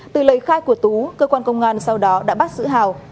từ lời khai của tú cơ quan công an sau đó đã bắt giữ hào